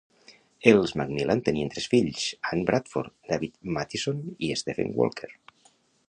Els McMillan tenien tres fills: Ann Bradford, David Mattison i Stephen Walker.